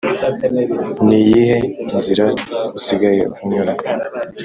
niyihe nzira usigaye unyura?